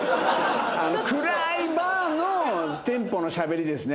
暗いバーのテンポのしゃべりですね。